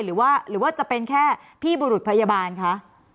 หรือว่าจะเป็นแค่พี่บุรุษพยาบาลคะ